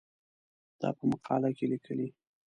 دا په مقاله کې لیکې.